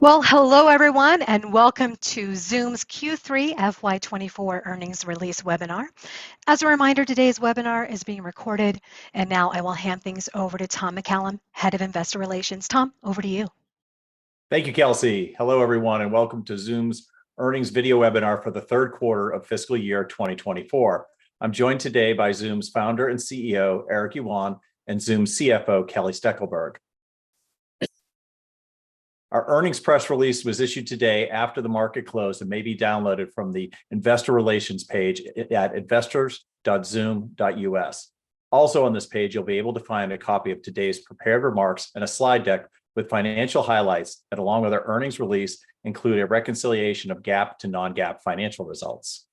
Well, hello everyone, and welcome to Zoom's Q3 FY 2024 Earnings Release Webinar. As a reminder, today's webinar is being recorded, and now I will hand things over to Tom McCallum, Head of Investor Relations. Tom, over to you. Thank you, Kelsey. Hello everyone, and welcome to Zoom's Earnings Video Webinar For The Third Quarter of Fiscal Year 2024. I'm joined today by Zoom's founder and CEO, Eric Yuan, and Zoom CFO, Kelly Steckelberg. Our earnings press release was issued today after the market closed and may be downloaded from the investor relations page at investors.zoom.us. Also on this page, you'll be able to find a copy of today's prepared remarks and a slide deck with financial highlights, and along with our earnings release, include a reconciliation of GAAP to non-GAAP financial results.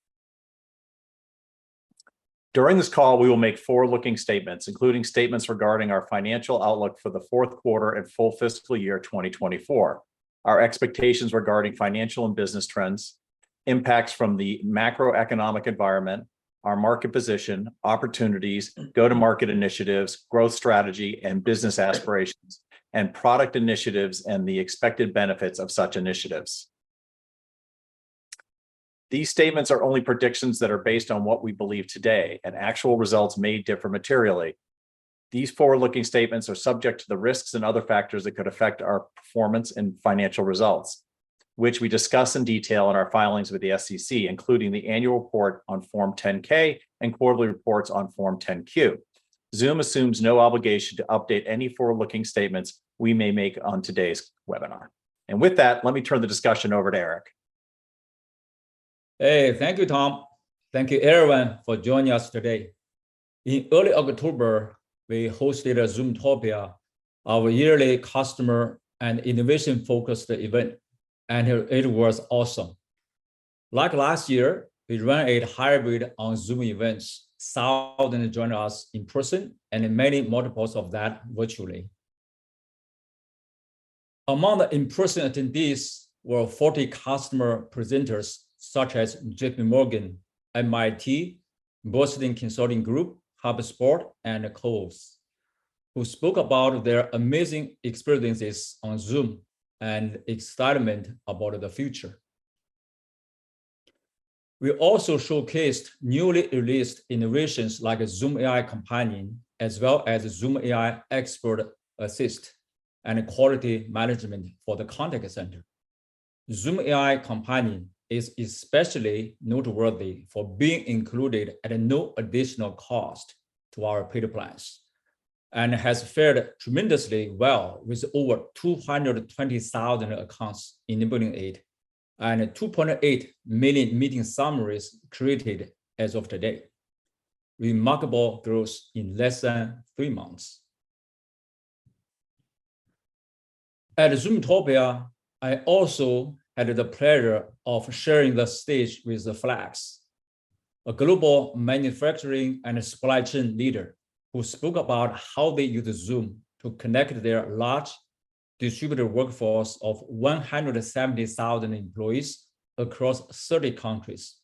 During this call, we will make forward-looking statements, including statements regarding our financial outlook for the fourth quarter and full fiscal year 2024, our expectations regarding financial and business trends, impacts from the macroeconomic environment, our market position, opportunities, go-to-market initiatives, growth strategy, and business aspirations, and product initiatives, and the expected benefits of such initiatives. These statements are only predictions that are based on what we believe today, and actual results may differ materially. These forward-looking statements are subject to the risks and other factors that could affect our performance and financial results, which we discuss in detail in our filings with the SEC, including the annual report on Form 10-K and quarterly reports on Form 10-Q. Zoom assumes no obligation to update any forward-looking statements we may make on today's webinar. With that, let me turn the discussion over to Eric. Hey, thank you, Tom. Thank you, everyone, for joining us today. In early October, we hosted a Zoomtopia, our yearly customer and innovation-focused event, and it was awesome. Like last year, we ran a hybrid on Zoom Events. Thousands joined us in person and many multiples of that virtually. Among the in-person attendees were 40 customer presenters, such as JPMorgan, MIT, Boston Consulting Group, HubSpot, and Kohl's, who spoke about their amazing experiences on Zoom and excitement about the future. We also showcased newly released innovations like Zoom AI Companion, as well as Zoom AI Expert Assist and Quality Management for the contact center. Zoom AI Companion is especially noteworthy for being included at no additional cost to our paid plans and has fared tremendously well, with over 220,000 accounts enabling it, and 2.8 million meeting summaries created as of today. Remarkable growth in less than three months. At Zoomtopia, I also had the pleasure of sharing the stage with Flex, a global manufacturing and supply chain leader, who spoke about how they use Zoom to connect their large distributor workforce of 170,000 employees across 30 countries.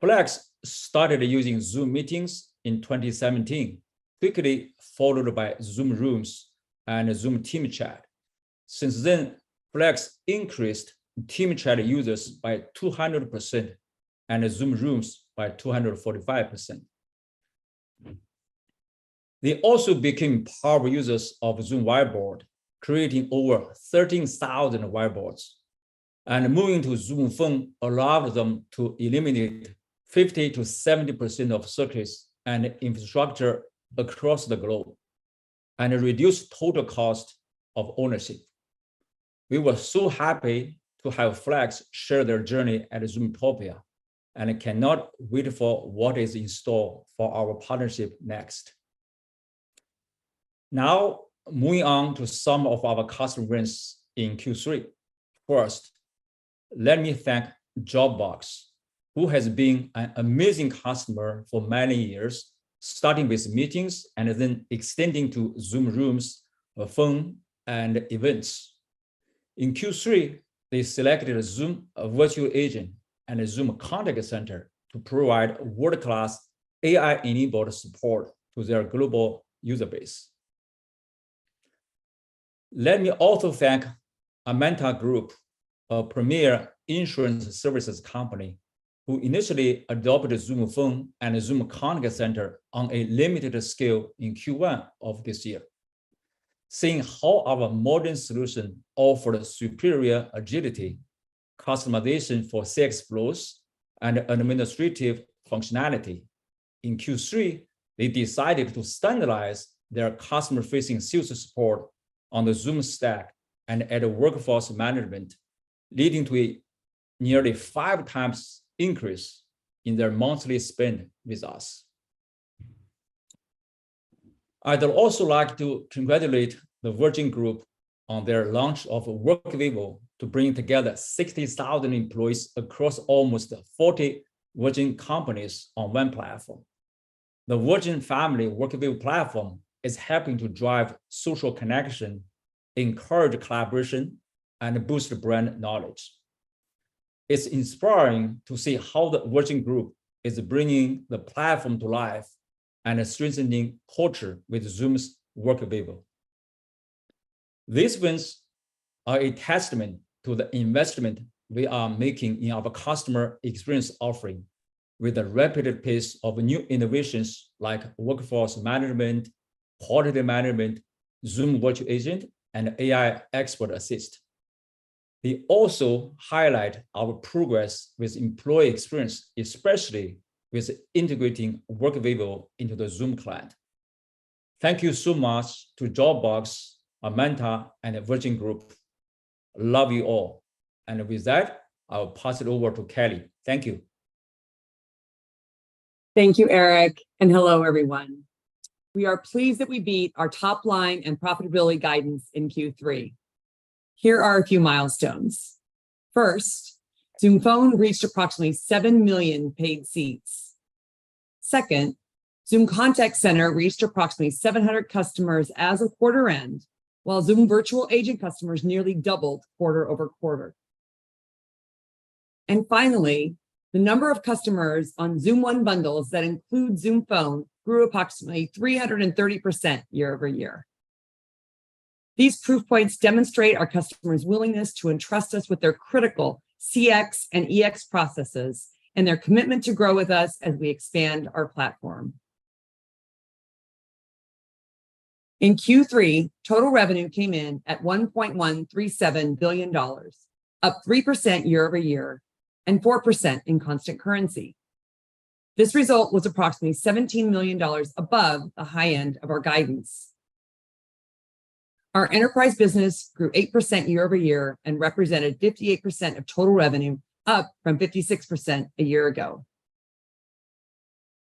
Flex started using Zoom Meetings in 2017, quickly followed by Zoom Rooms and Zoom Team Chat. Since then, Flex increased Team Chat users by 200% and Zoom Rooms by 245%. They also became power users of Zoom Whiteboard, creating over 13,000 whiteboards, and moving to Zoom Phone allowed them to eliminate 50%-70% of circuits and infrastructure across the globe and reduce total cost of ownership. We were so happy to have Flex share their journey at Zoomtopia, and I cannot wait for what is in store for our partnership next. Now, moving on to some of our customer wins in Q3. First, let me thank JobsOhio, who has been an amazing customer for many years, starting with Meetings and then extending to Zoom Rooms, Phone, and Events. In Q3, they selected Zoom Virtual Agent and Zoom Contact Center to provide world-class AI-enabled support to their global user base. Let me also thank Amynta Group, a premier insurance services company, who initially adopted Zoom Phone and Zoom Contact Center on a limited scale in Q1 of this year. Seeing how our modern solution offered superior agility, customization for sales flows, and administrative functionality, in Q3, they decided to standardize their customer-facing sales support on the Zoom stack and add workforce management, leading to a nearly five times increase in their monthly spend with us. I'd also like to congratulate the Virgin Group on their launch of Workvivo to bring together 60,000 employees across almost 40 Virgin companies on one platform. The Virgin Family Workvivo platform is helping to drive social connection, encourage collaboration, and boost brand knowledge.... It's inspiring to see how the Virgin Group is bringing the platform to life and strengthening culture with Zoom's workplace. These wins are a testament to the investment we are making in our customer experience offering, with a rapid pace of new innovations like workforce management, quality management, Zoom Virtual Agent, and AI Expert Assist. They also highlight our progress with employee experience, especially with integrating Workvivo into the Zoom client. Thank you so much to JobsOhio, Amynta, and Virgin Group. Love you all. And with that, I'll pass it over to Kelly. Thank you. Thank you, Eric, and hello, everyone. We are pleased that we beat our top line and profitability guidance in Q3. Here are a few milestones. First, Zoom Phone reached approximately 7 million paid seats. Second, Zoom Contact Center reached approximately 700 customers as of quarter end, while Zoom Virtual Agent customers nearly doubled quarter-over-quarter. And finally, the number of customers on Zoom One bundles that include Zoom Phone grew approximately 330% year-over-year. These proof points demonstrate our customers' willingness to entrust us with their critical CX and EX processes, and their commitment to grow with us as we expand our platform. In Q3, total revenue came in at $1.137 billion, up 3% year-over-year, and 4% in constant currency. This result was approximately $17 million above the high end of our guidance. Our enterprise business grew 8% year-over-year and represented 58% of total revenue, up from 56% a year ago.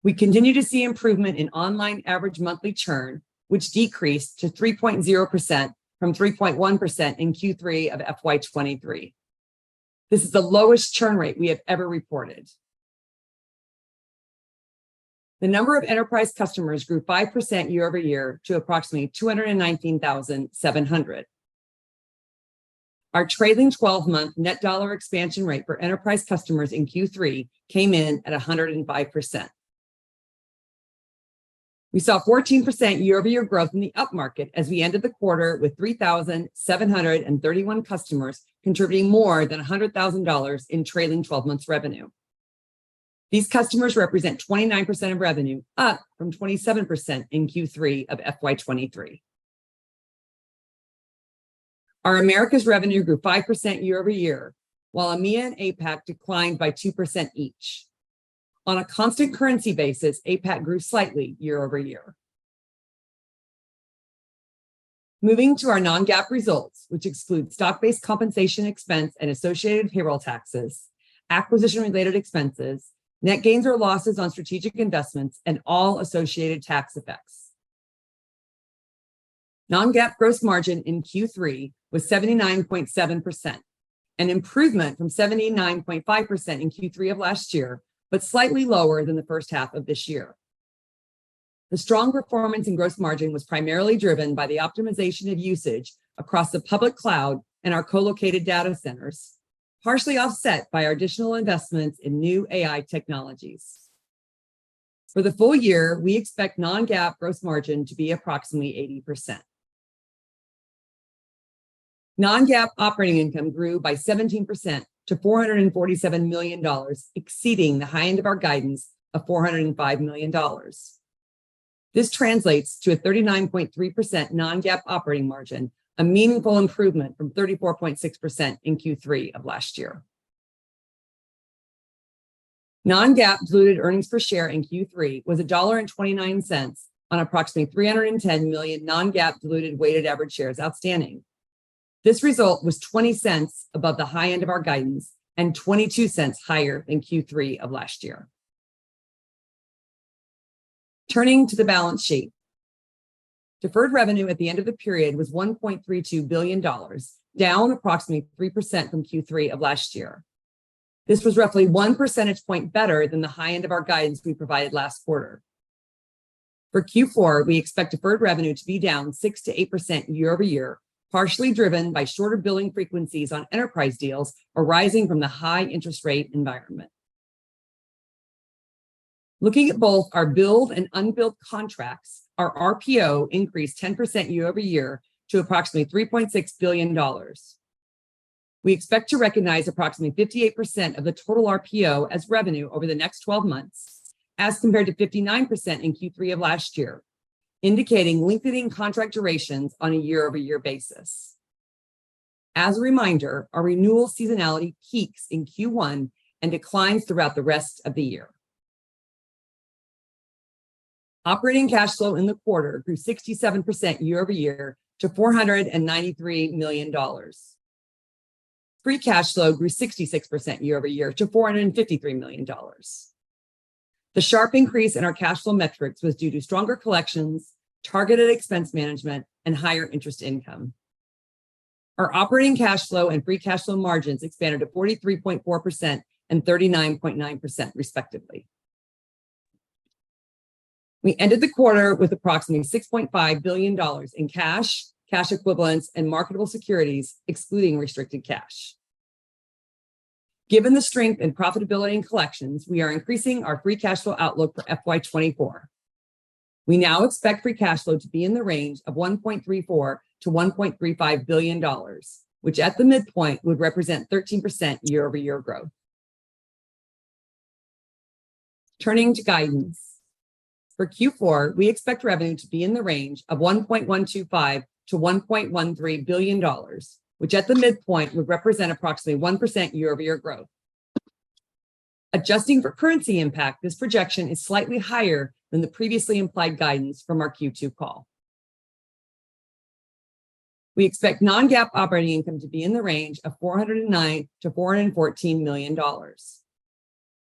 We continue to see improvement in online average monthly churn, which decreased to 3.0% from 3.1% in Q3 of FY 2023. This is the lowest churn rate we have ever reported. The number of enterprise customers grew 5% year-over-year to approximately 219,700. Our trailing 12 month net dollar expansion rate for enterprise customers in Q3 came in at 105%. We saw 14% year-over-year growth in the upmarket as we ended the quarter with 3,731 customers, contributing more than $100,000 in trailing 12 months revenue. These customers represent 29% of revenue, up from 27% in Q3 of FY 2023. Our Americas revenue grew 5% year-over-year, while EMEA and APAC declined by 2% each. On a constant currency basis, APAC grew slightly year-over-year. Moving to our non-GAAP results, which exclude stock-based compensation expense and associated payroll taxes, acquisition-related expenses, net gains or losses on strategic investments, and all associated tax effects. Non-GAAP gross margin in Q3 was 79.7%, an improvement from 79.5% in Q3 of last year, but slightly lower than the first half of this year. The strong performance in gross margin was primarily driven by the optimization of usage across the public cloud and our co-located data centers, partially offset by our additional investments in new AI technologies. For the full year, we expect non-GAAP gross margin to be approximately 80%. Non-GAAP operating income grew by 17% to $447 million, exceeding the high end of our guidance of $405 million. This translates to a 39.3% non-GAAP operating margin, a meaningful improvement from 34.6% in Q3 of last year. Non-GAAP diluted earnings per share in Q3 was $1.29 on approximately 310 million non-GAAP diluted weighted average shares outstanding. This result was $0.20 above the high end of our guidance and $0.22 higher than Q3 of last year. Turning to the balance sheet, deferred revenue at the end of the period was $1.32 billion, down approximately 3% from Q3 of last year. This was roughly one percentage point better than the high end of our guidance we provided last quarter. For Q4, we expect deferred revenue to be down 6%-8% year-over-year, partially driven by shorter billing frequencies on enterprise deals arising from the high interest rate environment. Looking at both our billed and unbilled contracts, our RPO increased 10% year-over-year to approximately $3.6 billion. We expect to recognize approximately 58% of the total RPO as revenue over the next 12 months, as compared to 59% in Q3 of last year, indicating lengthening contract durations on a year-over-year basis. As a reminder, our renewal seasonality peaks in Q1 and declines throughout the rest of the year. Operating cash flow in the quarter grew 67% year-over-year to $493 million. Free cash flow grew 66% year-over-year to $453 million. The sharp increase in our cash flow metrics was due to stronger collections, targeted expense management, and higher interest income. Our operating cash flow and free cash flow margins expanded to 43.4% and 39.9%, respectively. We ended the quarter with approximately $6.5 billion in cash, cash equivalents, and marketable securities, excluding restricted cash. Given the strength and profitability in collections, we are increasing our free cash flow outlook for FY 2024. We now expect free cash flow to be in the range of $1.34 billion-$1.35 billion, which at the midpoint, would represent 13% year-over-year growth. Turning to guidance. For Q4, we expect revenue to be in the range of $1.125 billion-$1.13 billion, which at the midpoint, would represent approximately 1% year-over-year growth. Adjusting for currency impact, this projection is slightly higher than the previously implied guidance from our Q2 call. We expect non-GAAP operating income to be in the range of $409 million-$414 million.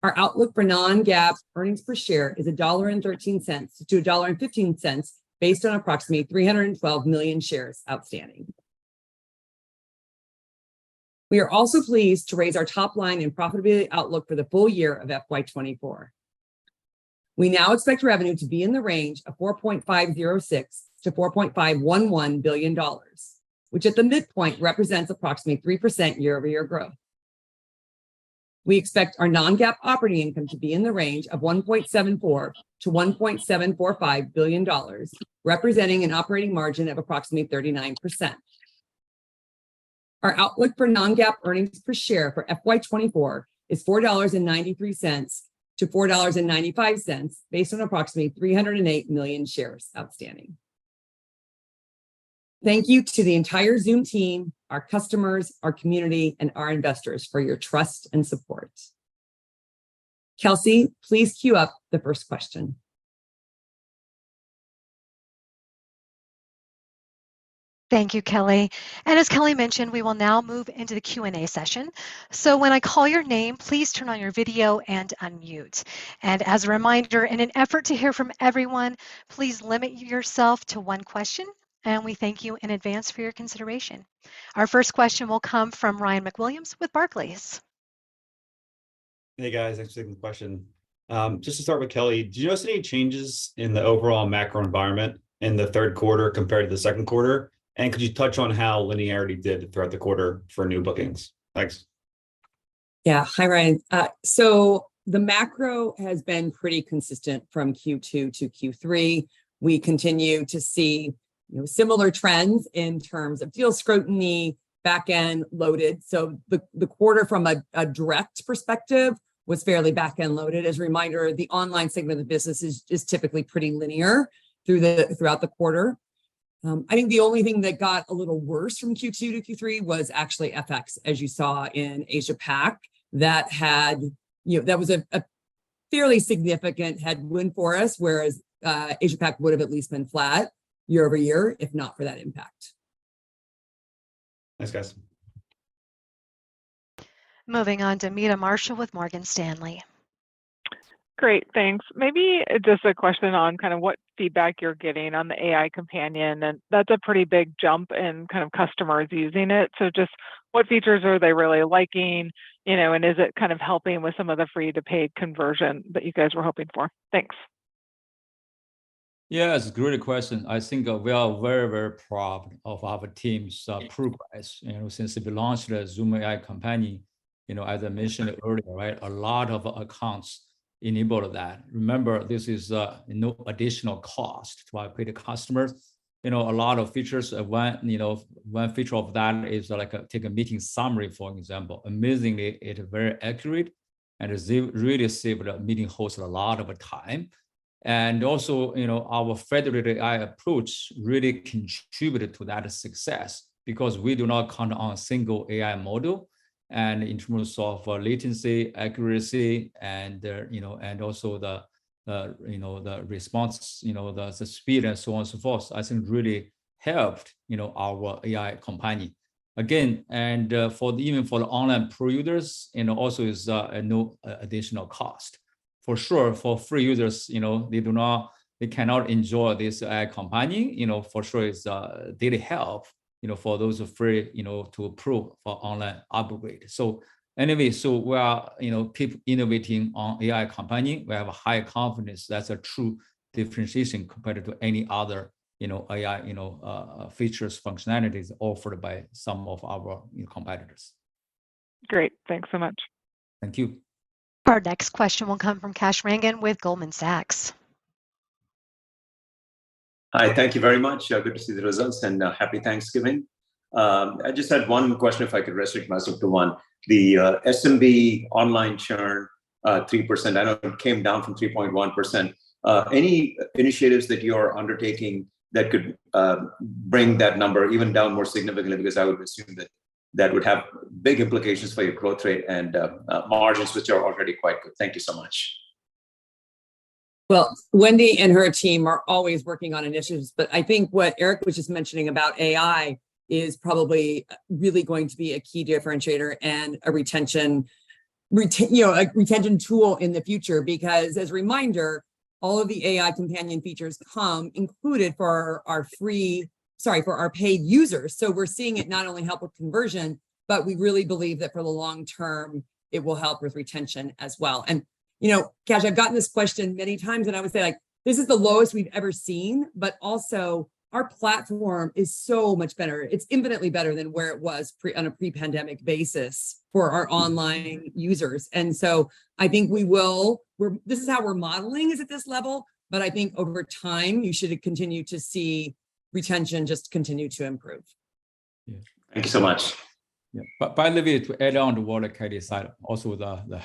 Our outlook for non-GAAP earnings per share is $1.13-$1.15, based on approximately 312 million shares outstanding. We are also pleased to raise our top line and profitability outlook for the full year of FY 2024. We now expect revenue to be in the range of $4.506 billion-$4.511 billion, which at the midpoint represents approximately 3% year-over-year growth. We expect our non-GAAP operating income to be in the range of $1.74 billion-$1.745 billion, representing an operating margin of approximately 39%. Our outlook for non-GAAP earnings per share for FY 2024 is $4.93-$4.95, based on approximately 308 million shares outstanding. Thank you to the entire Zoom team, our customers, our community, and our investors for your trust and support. Kelsey, please queue up the first question. Thank you, Kelly. As Kelly mentioned, we will now move into the Q&A session. When I call your name, please turn on your video and unmute. As a reminder, in an effort to hear from everyone, please limit yourself to one question, and we thank you in advance for your consideration. Our first question will come from Ryan McWilliams with Barclays. Hey, guys, thanks for taking the question. Just to start with Kelly, do you notice any changes in the overall macro environment in the third quarter compared to the second quarter? And could you touch on how linearity did throughout the quarter for new bookings? Thanks. Yeah. Hi, Ryan. So the macro has been pretty consistent from Q2 to Q3. We continue to see, you know, similar trends in terms of deal scrutiny, back-end loaded. So the quarter from a direct perspective was fairly back-end loaded. As a reminder, the online segment of the business is typically pretty linear throughout the quarter. I think the only thing that got a little worse from Q2 to Q3 was actually FX, as you saw in Asia-Pac. That had, you know, that was a fairly significant headwind for us, whereas Asia-Pac would have at least been flat year-over-year, if not for that impact. Thanks, guys. Moving on to Meta Marshall with Morgan Stanley. Great, thanks. Maybe just a question on kind of what feedback you're getting on the AI Companion, and that's a pretty big jump in kind of customers using it. So just what features are they really liking? You know, and is it kind of helping with some of the free-to-paid conversion that you guys were hoping for? Thanks. Yes, great question. I think we are very, very proud of our team's progress. You know, since we launched the Zoom AI Companion, you know, as I mentioned earlier, right, a lot of accounts enabled that. Remember, this is no additional cost to our paid customers. You know, a lot of features, one, you know, one feature of that is, like, take a meeting summary, for example. Amazingly, it's very accurate, and it save, really save the meeting host a lot of time. And also, you know, our Federated AI approach really contributed to that success, because we do not count on a single AI model, and in terms of latency, accuracy, and the, you know, and also the, you know, the response, you know, the, the speed and so on and so forth, I think really helped, you know, our AI Companion. Again, for even the online Pro users, you know, also is no additional cost. For sure, for free users, you know, they do not... they cannot enjoy this Companion. You know, for sure, it did help, you know, for those free, you know, to approve for online upgrade. So anyway, we are, you know, keep innovating on AI Companion. We have a high confidence that's a true differentiation compared to any other, you know, AI, you know, features, functionalities offered by some of our, you know, competitors. Great. Thanks so much. Thank you. Our next question will come from Kash Rangan with Goldman Sachs. Hi, thank you very much. Good to see the results, and Happy Thanksgiving. I just had one question, if I could restrict myself to one. The SMB online churn, 3%, I know it came down from 3.1%. Any initiatives that you are undertaking that could bring that number even down more significantly? Because I would assume that that would have big implications for your growth rate and margins, which are already quite good. Thank you so much. Well, Wendy and her team are always working on initiatives, but I think what Eric was just mentioning about AI is probably really going to be a key differentiator and a retention tool in the future. Because, as a reminder, all of the AI Companion features come included for our free, sorry, for our paid users. So we're seeing it not only help with conversion, but we really believe that for the long term, it will help with retention as well. You know, Cash, I've gotten this question many times, and I would say, like, this is the lowest we've ever seen, but also our platform is so much better. It's infinitely better than where it was pre-on a pre-pandemic basis for our online users. So I think we will. This is how we're modeling is at this level, but I think over time, you should continue to see retention just continue to improve. Yeah. Thank you so much. Yeah. By the way, to add on to what Kelly said, also,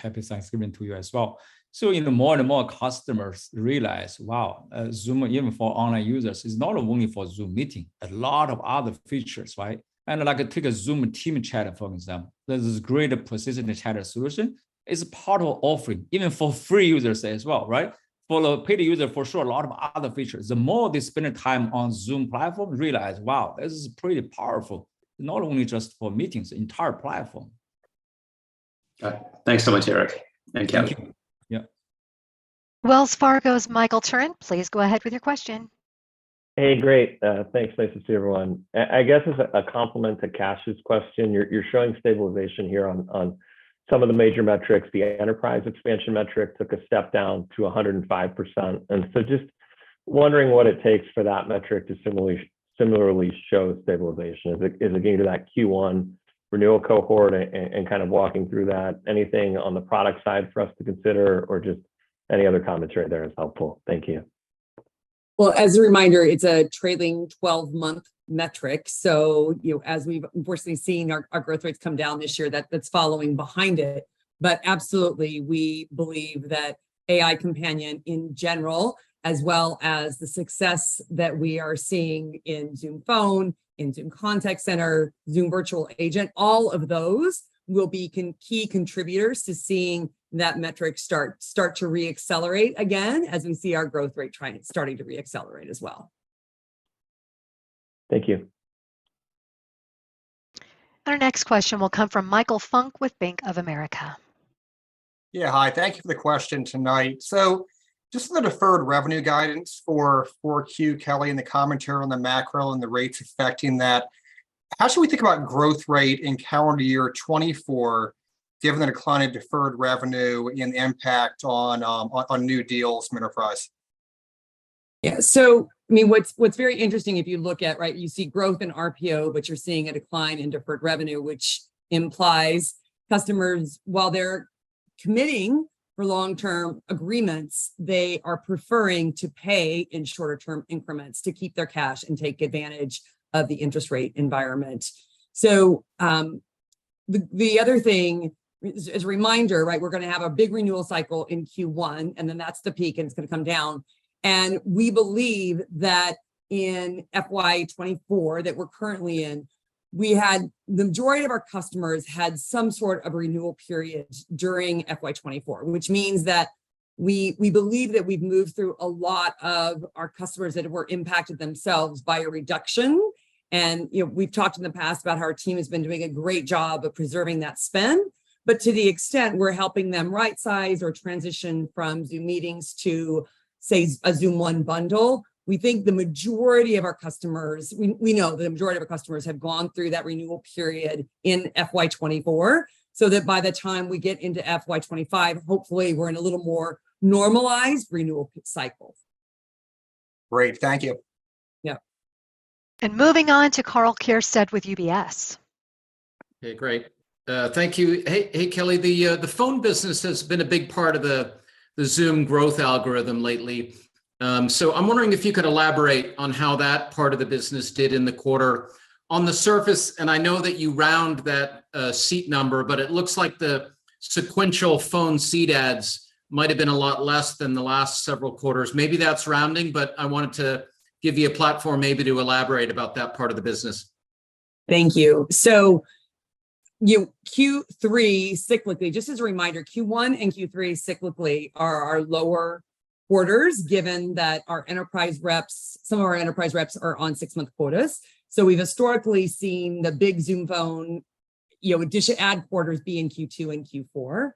Happy Thanksgiving to you as well. So as more and more customers realize, wow, Zoom, even for online users, is not only for Zoom Meetings, a lot of other features, right? And like, take a Zoom Team Chat, for example, there's this great persistent chat solution is part of offering, even for free users as well, right? For the paid user, for sure, a lot of other features. The more they spend time on Zoom platform, realize, wow, this is pretty powerful, not only just for meetings, the entire platform. Got it. Thanks so much, Eric and Kelly. Yeah. Wells Fargo's Michael Turrin, please go ahead with your question. Hey, great. Thanks. Nice to see everyone. I guess, as a complement to Kash's question, you're showing stabilization here on some of the major metrics. The enterprise expansion metric took a step down to 105%. And so just wondering what it takes for that metric to similarly show stabilization. Is it due to that Q1 renewal cohort and kind of walking through that? Anything on the product side for us to consider or just any other commentary there is helpful. Thank you. Well, as a reminder, it's a trailing 12 month metric, so, you know, as we've obviously seen our, our growth rates come down this year, that's following behind it. But absolutely, we believe that AI Companion, in general, as well as the success that we are seeing in Zoom Phone, in Zoom Contact Center, Zoom Virtual Agent, all of those will be key contributors to seeing that metric start to re-accelerate again, as we see our growth rate starting to re-accelerate as well. Thank you. Our next question will come from Michael Funk with Bank of America. Yeah, hi. Thank you for the question tonight. So just on the deferred revenue guidance for 4Q, Kelly, and the commentary on the macro and the rates affecting that, how should we think about growth rate in calendar year 2024, given the decline in deferred revenue and impact on new deals from enterprise? Yeah, so I mean, what's very interesting, if you look at, right, you see growth in RPO, but you're seeing a decline in deferred revenue, which implies customers, while they're committing for long-term agreements, they are preferring to pay in shorter-term increments to keep their cash and take advantage of the interest rate environment. So, the other thing, as a reminder, right, we're gonna have a big renewal cycle in Q1, and then that's the peak, and it's gonna come down. And we believe that in FY 2024, that we're currently in, we had the majority of our customers had some sort of renewal period during FY 2024, which means that we believe that we've moved through a lot of our customers that were impacted themselves by a reduction. You know, we've talked in the past about how our team has been doing a great job of preserving that spend. But to the extent we're helping them right-size or transition from Zoom Meetings to, say, a Zoom One bundle, we think the majority of our customers... We, we know the majority of our customers have gone through that renewal period in FY 2024, so that by the time we get into FY 2025, hopefully, we're in a little more normalized renewal cycle. Great. Thank you. Yeah. Moving on to Karl Keirstead with UBS. Hey, great. Thank you. Hey, hey, Kelly, the phone business has been a big part of the Zoom growth algorithm lately. So I'm wondering if you could elaborate on how that part of the business did in the quarter. On the surface, and I know that you round that seat number, but it looks like the sequential phone seat adds might have been a lot less than the last several quarters. Maybe that's rounding, but I wanted to give you a platform maybe to elaborate about that part of the business. Thank you. So, you know, Q3, cyclically, just as a reminder, Q1 and Q3, cyclically, are our lower quarters, given that our enterprise reps, some of our enterprise reps are on six-month quotas. So we've historically seen the big Zoom Phone, you know, addition, add quarters be in Q2 and Q4.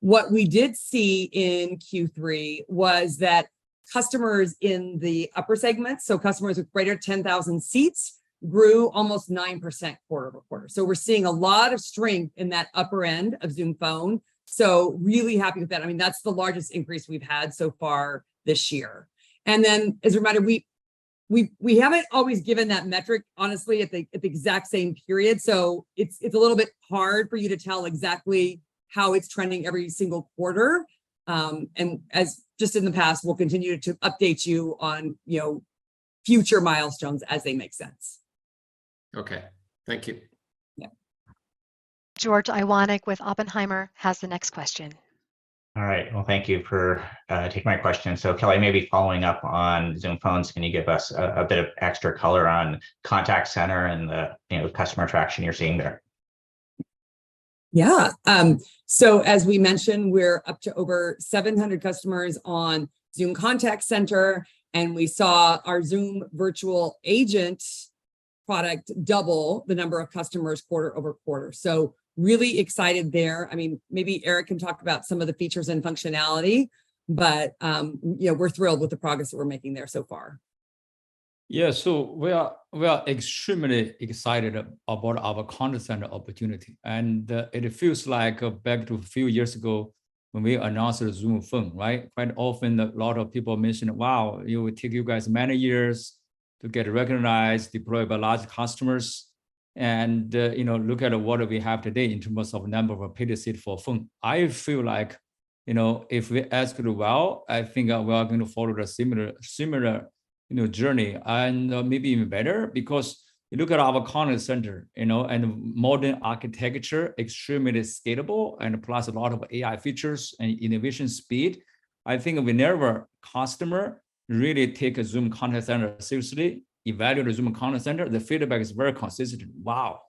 What we did see in Q3 was that customers in the upper segments, so customers with greater than 10,000 seats, grew almost 9% quarter-over-quarter. So we're seeing a lot of strength in that upper end of Zoom Phone. So really happy with that. I mean, that's the largest increase we've had so far this year. And then, as a reminder, we haven't always given that metric, honestly, at the exact same period, so it's a little bit hard for you to tell exactly how it's trending every single quarter. As just in the past, we'll continue to update you on, you know, future milestones as they make sense. Okay. Thank you. Yeah. George Iwanyc with Oppenheimer has the next question. All right. Well, thank you for taking my question. So Kelly, maybe following up on Zoom Phone, can you give us a bit of extra color on contact center and the, you know, customer traction you're seeing there? Yeah. So as we mentioned, we're up to over 700 customers on Zoom Contact Center, and we saw our Zoom Virtual Agent product double the number of customers quarter-over-quarter. So really excited there. I mean, maybe Eric can talk about some of the features and functionality, but, you know, we're thrilled with the progress that we're making there so far.... Yeah, so we are, we are extremely excited about our contact center opportunity, and it feels like back to a few years ago when we announced Zoom Phone, right? Quite often, a lot of people mention, "Wow, it will take you guys many years to get recognized, deployed by large customers," and you know, look at what we have today in terms of number of paid seat for Phone. I feel like, you know, if we ask well, I think we are going to follow a similar, you know, journey and maybe even better. Because you look at our contact center, you know, and modern architecture, extremely scalable, and plus a lot of AI features and innovation speed. I think whenever customer really take a Zoom Contact Center seriously, evaluate Zoom Contact Center, the feedback is very consistent: "Wow!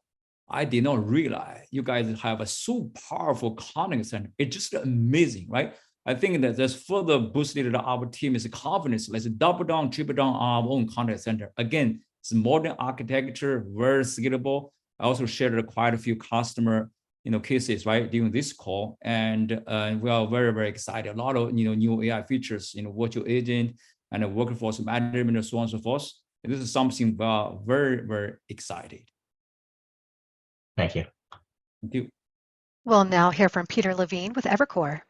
I did not realize you guys have a so powerful contact center." It's just amazing, right? I think that this further boosted our team's confidence. Let's double down, triple down our own contact center. Again, it's modern architecture, very scalable. I also shared quite a few customer, you know, cases, right, during this call, and we are very, very excited. A lot of, you know, new AI features, you know, virtual agent and workforce management, and so on and so forth. This is something we are very, very excited. Thank you. Thank you. We'll now hear from Peter Levine with Evercore.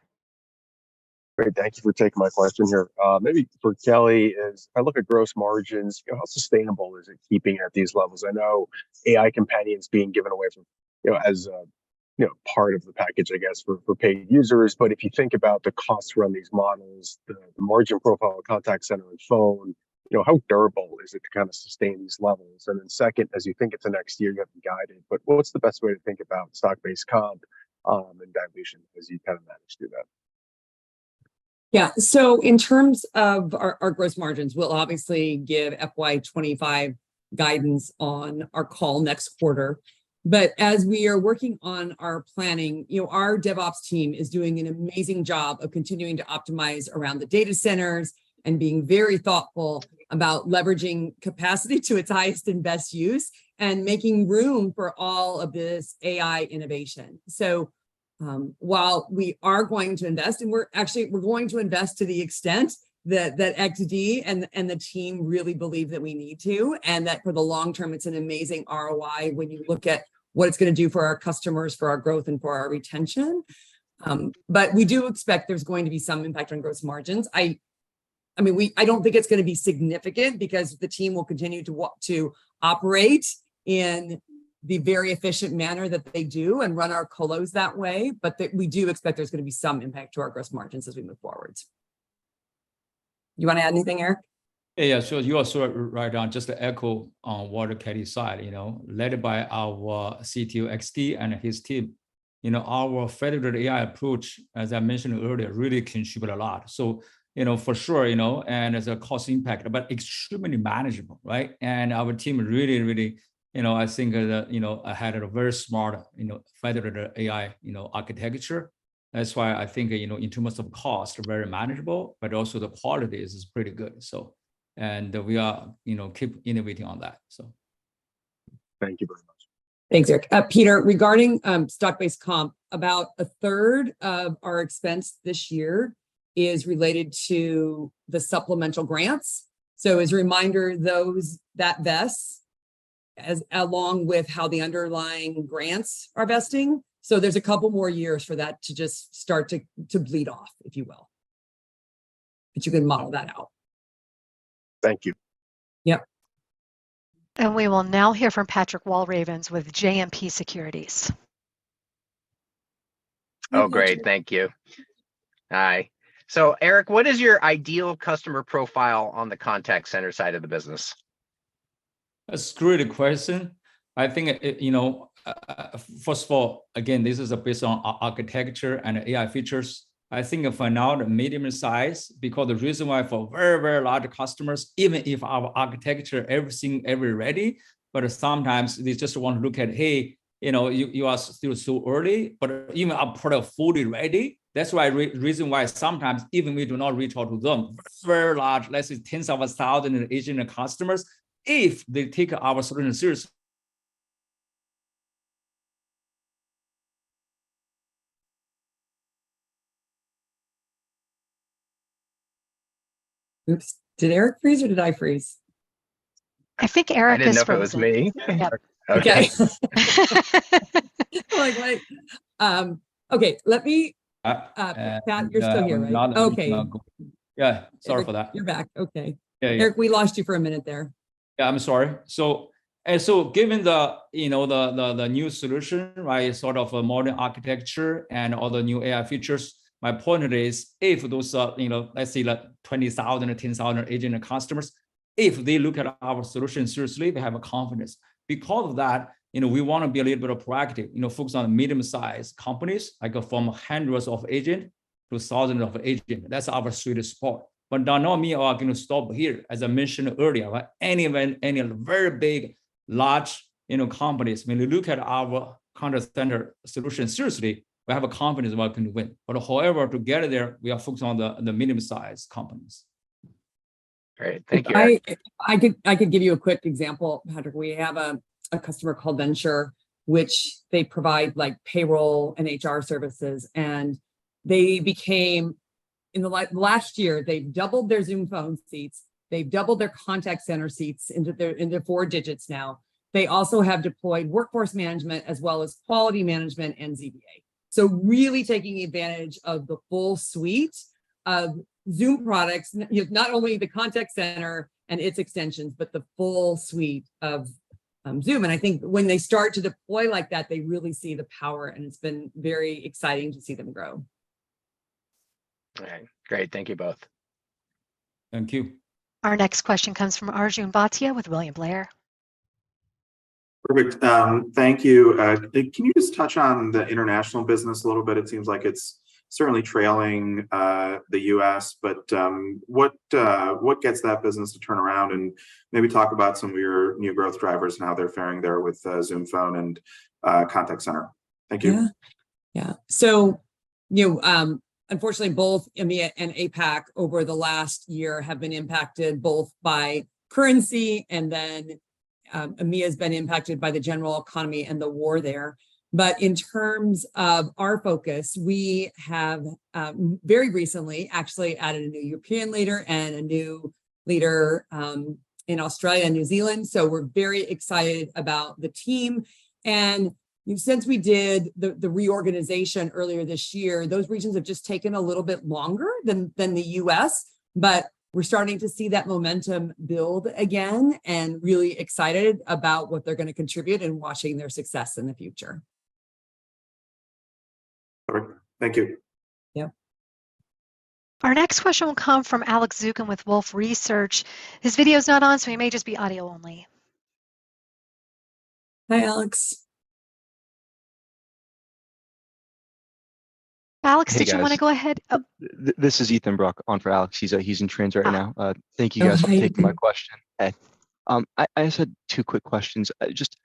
Great. Thank you for taking my question here. Maybe for Kelly is, I look at gross margins, how sustainable is it keeping at these levels? I know AI Companion being given away from, you know, as a, you know, part of the package, I guess, for, for paying users. But if you think about the costs to run these models, the margin profile of Contact Center and Phone, you know, how durable is it to kind of sustain these levels? And then second, as you think it to next year, you have been guided, but what's the best way to think about stock-based comp, and dilution as you kind of manage through that? Yeah. So in terms of our gross margins, we'll obviously give FY2025 guidance on our call next quarter. But as we are working on our planning, you know, our DevOps team is doing an amazing job of continuing to optimize around the data centers and being very thoughtful about leveraging capacity to its highest and best use, and making room for all of this AI innovation. So, while we are going to invest, and we're actually going to invest to the extent that XD and the team really believe that we need to, and that for the long term, it's an amazing ROI when you look at what it's gonna do for our customers, for our growth, and for our retention. But we do expect there's going to be some impact on gross margins. I... I mean, I don't think it's gonna be significant because the team will continue to operate in the very efficient manner that they do and run our colos that way. But we do expect there's gonna be some impact to our gross margins as we move forward. You want to add anything, Eric? Yeah, sure. You are so right on. Just to echo on what Kelly said, you know, led by our CTO, XD, and his team, you know, our Federated AI approach, as I mentioned earlier, really contribute a lot. So, you know, for sure, you know, and there's a cost impact, but extremely manageable, right? And our team really, really, you know, I think that, you know, had a very smart, you know, Federated AI, you know, architecture. That's why I think, you know, in terms of cost, very manageable, but also the quality is, is pretty good, so. And we are, you know, keep innovating on that, so. Thank you very much. Thanks, Eric. Peter, regarding, stock-based comp, about a third of our expense this year is related to the supplemental grants. So as a reminder, those that vest, as along with how the underlying grants are vesting. So there's a couple more years for that to just start to bleed off, if you will. But you can model that out. Thank you. Yeah. We will now hear from Patrick Walravens with JMP Securities. Oh, great. Thank you. Hi. So, Eric, what is your ideal customer profile on the contact center side of the business? It's a great question. I think, you know, first of all, again, this is based on architecture and AI features. I think for now, the medium size, because the reason why for very, very large customers, even if our architecture, everything, every ready, but sometimes they just want to look at, "Hey, you know, you are still so early," but even our product fully ready. That's why reason why sometimes even we do not reach out to them. Very large, let's say tens of thousands agent customers, if they take our solution seriously- Oops, did Eric freeze or did I freeze? I think Eric is frozen. I didn't know if it was me. Yeah. Okay. Like, wait, okay, let me- Uh, uh- Pat, you're still here, right? I'm here. Okay. Yeah, sorry for that. You're back. Okay. Yeah, yeah. Eric, we lost you for a minute there. Yeah, I'm sorry. So given the, you know, the new solution, right, sort of a modern architecture and all the new AI features, my point is, if those are, you know, let's say like 20,000 or 10,000 agent customers, if they look at our solution seriously, we have a confidence. Because of that, you know, we want to be a little bit proactive, you know, focus on medium-sized companies, like from hundreds of agents to thousands of agents. That's our sweet spot. But we are not gonna stop here, as I mentioned earlier, any of them, any very big, large, you know, companies, when they look at our contact center solution seriously, we have a confidence we are going to win. But however, to get there, we are focused on the medium-sized companies. Great. Thank you. I could give you a quick example, Patrick. We have a customer called Vensure, which they provide, like, payroll and HR services, and in the last year, they've doubled their Zoom Phone seats, they've doubled their contact center seats into four digits now. They also have deployed workforce management as well as quality management and ZVA. So really taking advantage of the full suite of Zoom products, you know, not only the contact center and its extensions, but the full suite of Zoom. And I think when they start to deploy like that, they really see the power, and it's been very exciting to see them grow. Okay, great. Thank you both. Thank you. Our next question comes from Arjun Bhatia with William Blair. Perfect, thank you. Can you just touch on the international business a little bit? It seems like it's certainly trailing the U.S., but what gets that business to turn around? And maybe talk about some of your new growth drivers and how they're faring there with Zoom Phone and Contact Center. Thank you. Yeah. Yeah. So, you know, unfortunately, both EMEA and APAC over the last year have been impacted both by currency, and then, EMEA has been impacted by the general economy and the war there. But in terms of our focus, we have, very recently actually added a new European leader and a new leader, in Australia and New Zealand, so we're very excited about the team. And since we did the reorganization earlier this year, those regions have just taken a little bit longer than, the US, but we're starting to see that momentum build again, and really excited about what they're gonna contribute and watching their success in the future. All right. Thank you. Yeah. Our next question will come from Alex Zukin with Wolfe Research. His video is not on, so he may just be audio only. Hi, Alex. Alex- Hey, guys. Did you wanna go ahead? This is Ethan Rackers on for Alex. He's, he's in transit right now. Ah. Thank you guys- Hi, Ethan... for taking my question. Hey, I just had two quick questions. Just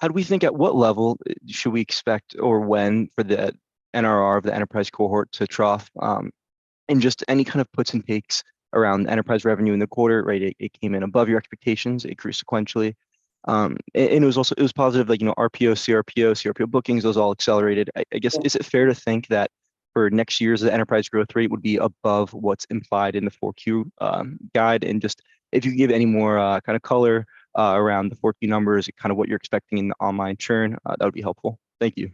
how do we think, at what level should we expect or when for the NRR of the enterprise cohort to trough? And just any kind of puts and takes around enterprise revenue in the quarter, right? It came in above your expectations, it grew sequentially. And it was also... It was positive, like, you know, RPO, CRPO bookings, those all accelerated. Yeah. I guess, is it fair to think that for next year's enterprise growth rate would be above what's implied in the 4Q guide? Just if you could give any more kind of color around the 4Q numbers and kind of what you're expecting in the online churn, that would be helpful. Thank you.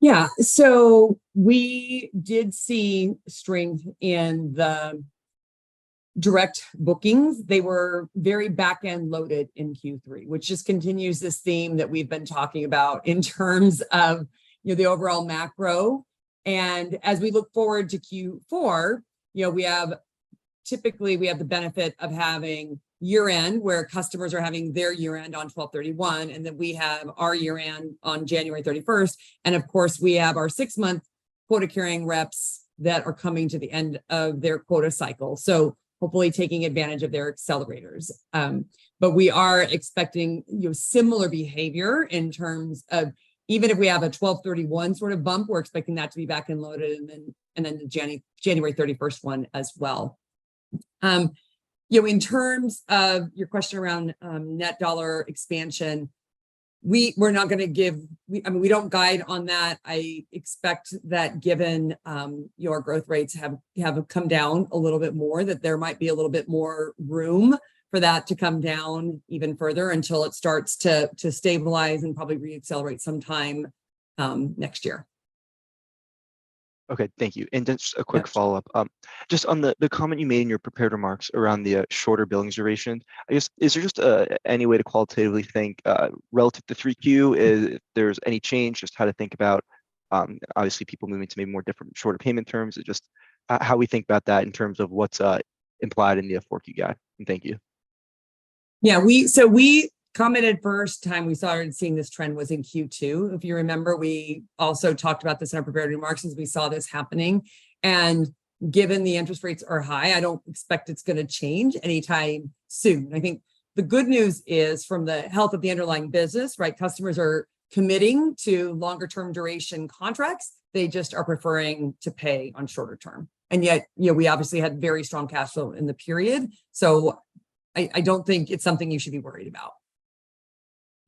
Yeah. So we did see strength in the direct bookings. They were very back-end loaded in Q3, which just continues this theme that we've been talking about in terms of, you know, the overall macro. And as we look forward to Q4, you know, we have typically the benefit of having year-end, where customers are having their year-end on 12/31, and then we have our year-end on January 31st. And of course, we have our six-month quota-carrying reps that are coming to the end of their quota cycle, so hopefully taking advantage of their accelerators. But we are expecting, you know, similar behavior in terms of even if we have a 12/31 sort of bump, we're expecting that to be back-end loaded, and then the January 31st one as well. You know, in terms of your question around net dollar expansion, we're not gonna give... We, I mean, we don't guide on that. I expect that, given your growth rates have come down a little bit more, that there might be a little bit more room for that to come down even further until it starts to stabilize and probably re-accelerate sometime next year. Okay, thank you. And then just a quick follow-up. Yeah. Just on the comment you made in your prepared remarks around the shorter billing duration, I guess, is there just any way to qualitatively think relative to Q3 if there's any change, just how to think about obviously people moving to maybe more different shorter payment terms? Just how we think about that in terms of what's implied in the 4Q guide. Thank you. Yeah, we so we commented first time we started seeing this trend was in Q2. If you remember, we also talked about this in our prepared remarks as we saw this happening, and given the interest rates are high, I don't expect it's gonna change anytime soon. I think the good news is, from the health of the underlying business, right, customers are committing to longer-term duration contracts. They just are preferring to pay on shorter term. And yet, you know, we obviously had very strong cash flow in the period, so I, I don't think it's something you should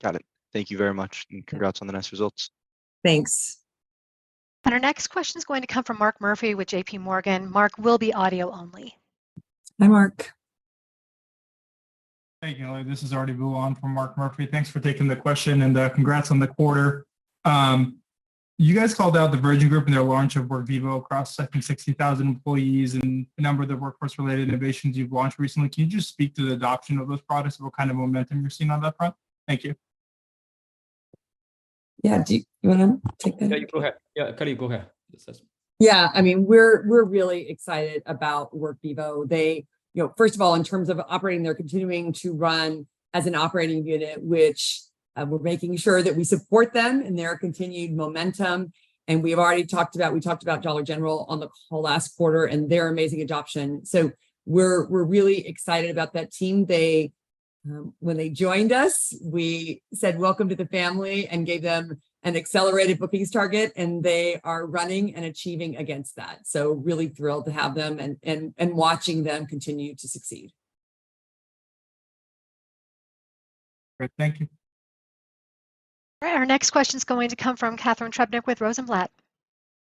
be worried about. Got it. Thank you very much, and congrats on the nice results. Thanks. Our next question is going to come from Mark Murphy with JPMorgan. Mark will be audio only. Hi, Mark. Thank you, Ellie. This is Arti Vula from Mark Murphy. Thanks for taking the question, and, congrats on the quarter. You guys called out the Virgin Group and their launch of Workvivo across, I think, 60,000 employees and a number of the workforce-related innovations you've launched recently. Can you just speak to the adoption of those products and what kind of momentum you're seeing on that front? Thank you. Yeah. Do you wanna take that? Yeah, you go ahead. Yeah, Kelly, go ahead. Yeah, I mean, we're really excited about Workvivo. They... You know, first of all, in terms of operating, they're continuing to run as an operating unit, which we're making sure that we support them in their continued momentum, and we've already talked about, we talked about Dollar General on the call last quarter and their amazing adoption. So we're really excited about that team. They, when they joined us, we said, "Welcome to the family," and gave them an accelerated bookings target, and they are running and achieving against that. So really thrilled to have them and watching them continue to succeed.... Great. Thank you. All right, our next question's going to come from Catherine Trebnick with Rosenblatt.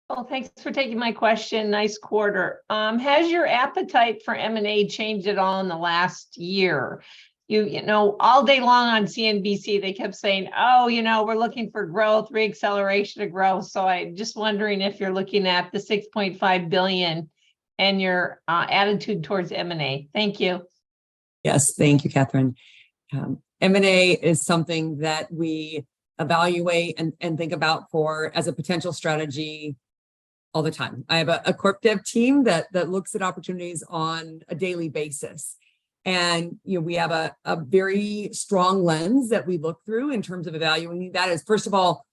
Well, thanks for taking my question. Nice quarter. Has your appetite for M&A changed at all in the last year? You know, all day long on CNBC, they kept saying, "Oh, you know, we're looking for growth, reacceleration of growth." So I'm just wondering if you're looking at the $6.5 billion and your attitude towards M&A. Thank you. Yes, thank you, Catherine. M&A is something that we evaluate and think about as a potential strategy all the time. I have a corp dev team that looks at opportunities on a daily basis, and, you know, we have a very strong lens that we look through in terms of evaluating. That is, first of all,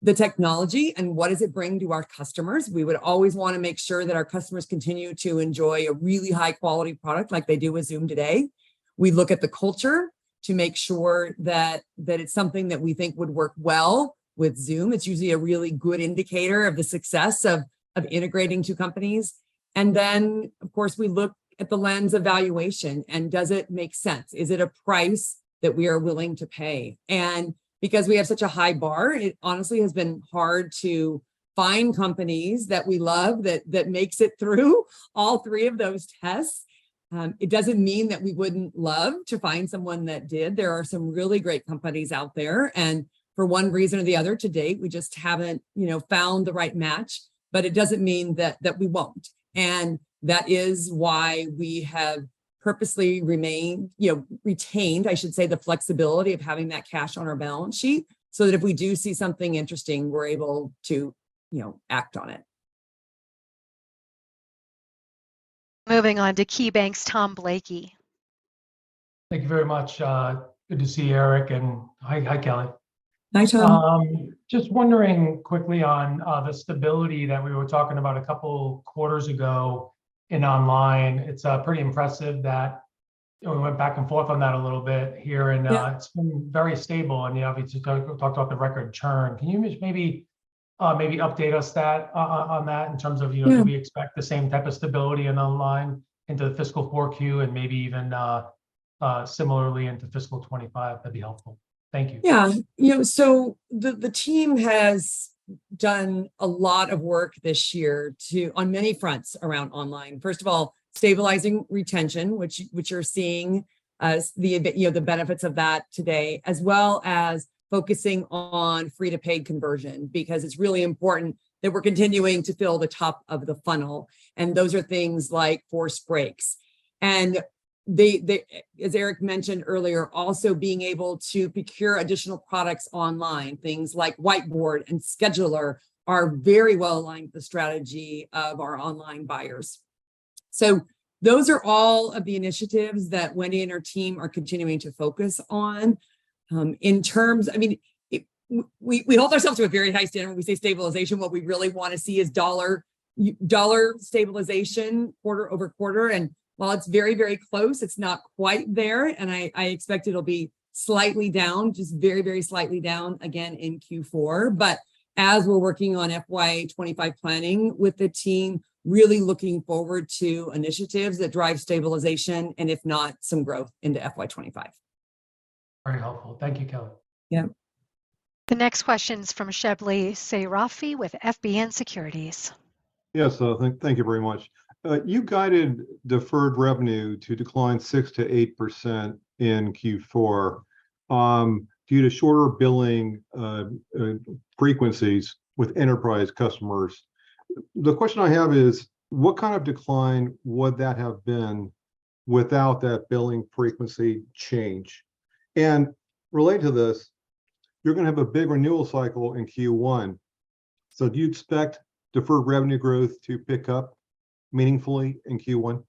the technology and what does it bring to our customers? We would always wanna make sure that our customers continue to enjoy a really high-quality product like they do with Zoom today. We look at the culture to make sure that it's something that we think would work well with Zoom. It's usually a really good indicator of the success of integrating two companies. And then, of course, we look at the lens of valuation, and does it make sense? Is it a price that we are willing to pay? And because we have such a high bar, it honestly has been hard to find companies that we love, that, that makes it through all three of those tests. It doesn't mean that we wouldn't love to find someone that did. There are some really great companies out there, and for one reason or the other, to date, we just haven't, you know, found the right match, but it doesn't mean that, that we won't. And that is why we have purposely remained... You know, retained, I should say, the flexibility of having that cash on our balance sheet, so that if we do see something interesting, we're able to, you know, act on it. Moving on to KeyBanc's Tom Blakey. Thank you very much. Good to see you, Eric, and hi, hi, Kelly. Hi, Tom. Just wondering quickly on the stability that we were talking about a couple quarters ago in online. It's pretty impressive that, you know, we went back and forth on that a little bit here, and Yeah... it's been very stable. And, you know, obviously, we talked about the record churn. Can you just maybe, maybe update us that, on, on, on that in terms of, you know- Yeah... do we expect the same type of stability in online into the fiscal 4Q and maybe even similarly into fiscal 2025? That'd be helpful. Thank you. Yeah. You know, so the team has done a lot of work this year to on many fronts around online. First of all, stabilizing retention, which you're seeing the benefits of that today, as well as focusing on free-to-paid conversion, because it's really important that we're continuing to fill the top of the funnel, and those are things like forced breaks. And the, as Eric mentioned earlier, also being able to procure additional products online, things like Whiteboard and Scheduler, are very well aligned with the strategy of our online buyers. So those are all of the initiatives that Wendy and her team are continuing to focus on. I mean, we hold ourselves to a very high standard when we say stabilization. What we really wanna see is dollar stabilization quarter over quarter, and while it's very, very close, it's not quite there, and I expect it'll be slightly down, just very, very slightly down again in Q4. But as we're working on FY 2025 planning with the team, really looking forward to initiatives that drive stabilization, and if not, some growth into FY 2025. Very helpful. Thank you, Kelly. Yep. The next question's from Shebly Seyrafi with FBN Securities. Yes, so thank you very much. You guided deferred revenue to decline 6%-8% in Q4, due to shorter billing frequencies with enterprise customers. The question I have is: What kind of decline would that have been without that billing frequency change? And related to this, you're gonna have a big renewal cycle in Q1, so do you expect deferred revenue growth to pick up meaningfully in Q1?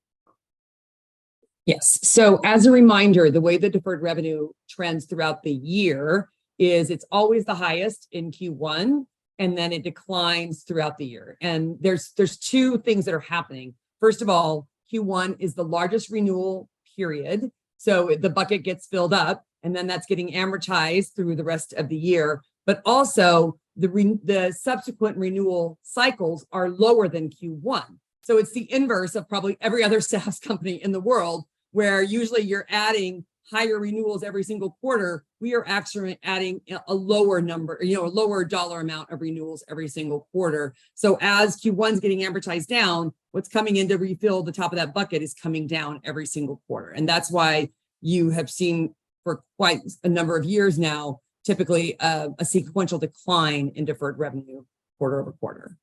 Yes. So as a reminder, the way the deferred revenue trends throughout the year is it's always the highest in Q1, and then it declines throughout the year. And there's two things that are happening. First of all, Q1 is the largest renewal period, so the bucket gets filled up, and then that's getting amortized through the rest of the year. But also, the subsequent renewal cycles are lower than Q1. So it's the inverse of probably every other SaaS company in the world, where usually you're adding higher renewals every single quarter, we are actually adding a lower number, you know, a lower dollar amount of renewals every single quarter. As Q1's getting amortized down, what's coming in to refill the top of that bucket is coming down every single quarter, and that's why you have seen, for quite a number of years now, typically, a sequential decline in deferred revenue quarter-over-quarter. Okay,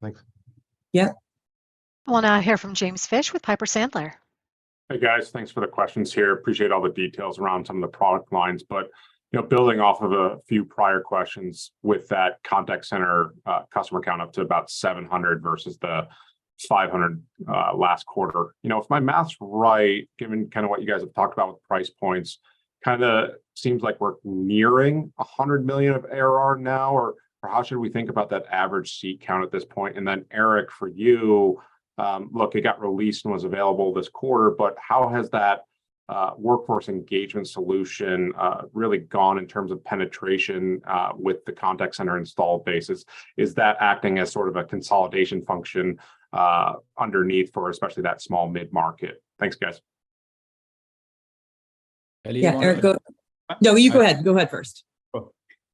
thanks. Yeah. We'll now hear from James Fish with Piper Sandler. Hey, guys. Thanks for the questions here. Appreciate all the details around some of the product lines. But, you know, building off of a few prior questions, with that contact center, customer count up to about 700 versus the 500, last quarter, you know, if my math's right, given kind of what you guys have talked about with price points, kinda seems like we're nearing $100 million of ARR now, or, or how should we think about that average seat count at this point? And then, Eric, for you, look, it got released and was available this quarter, but how has that, workforce engagement solution, really gone in terms of penetration, with the contact center installed base? Is, is that acting as sort of a consolidation function, underneath for especially that small mid-market? Thanks, guys.... Yeah, Eric, go. No, you go ahead. Go ahead first.